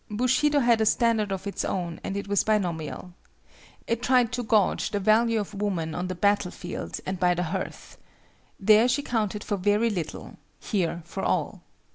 Bushido had a standard of its own and it was binomial. It tried to guage the value of woman on the battle field and by the hearth. There she counted for very little; here for all.